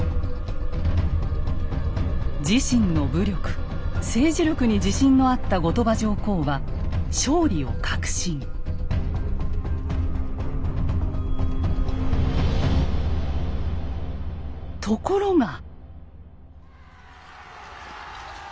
自身の武力・政治力に自信のあった後鳥羽上皇はところが。